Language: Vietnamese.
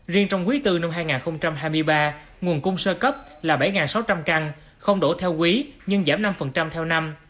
riêng trong quý bốn năm hai nghìn hai mươi ba nguồn cung sơ cấp là bảy sáu trăm linh căn không đổ theo quý nhưng giảm năm theo năm